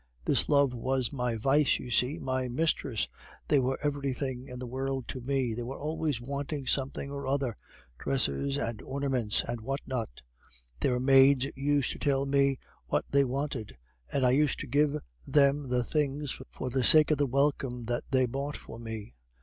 This love was my vice, you see, my mistress they were everything in the world to me. They were always wanting something or other, dresses and ornaments, and what not; their maids used to tell me what they wanted, and I used to give them the things for the sake of the welcome that they bought for me.